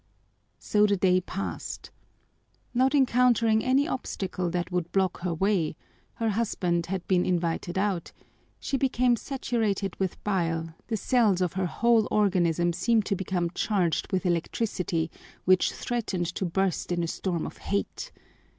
So the day passed. Not encountering any obstacle that would block her way, her husband had been invited out, she became saturated with bile, the cells of her whole organism seemed to become charged with electricity which threatened to burst in a storm of hate.